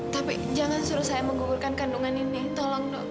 tapi jangan suruh saya menggugurkan kandungan ini tolong dong